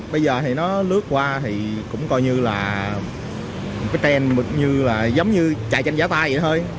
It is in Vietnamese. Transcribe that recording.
bây giờ thì nó lướt qua thì cũng coi như là cái trend giống như chạy chanh giả tai vậy thôi